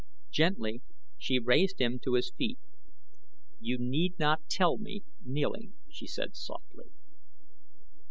Gently she raised him to his feet. "You need not tell me, kneeling," she said, softly.